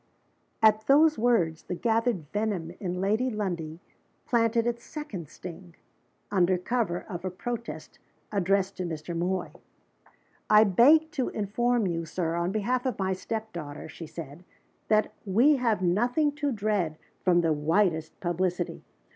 At those words the gathered venom in Lady Lundie planted its second sting under cover of a protest addressed to Mr. Moy. "I beg to inform you, Sir, on behalf of my step daughter," she said, "that we have nothing to dread from the widest publicity.